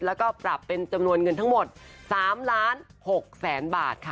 แล้วก็ปรับเป็นจำนวนเงินทั้งหมด๓ล้าน๖แสนบาทค่ะ